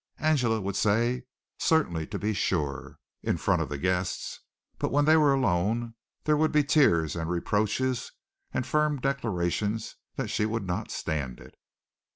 Angela would say, "Certainly, to be sure," in front of the guests, but when they were alone there would be tears and reproaches and firm declarations that she would not stand it.